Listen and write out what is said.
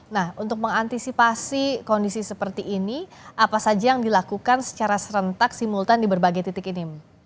nah untuk mengantisipasi kondisi seperti ini apa saja yang dilakukan secara serentak simultan di berbagai titik ini